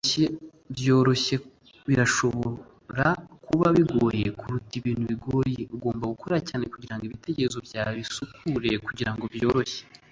byoroshye birashobora kuba bigoye kuruta ibintu bigoye: ugomba gukora cyane kugirango ibitekerezo byawe bisukure kugirango byoroshye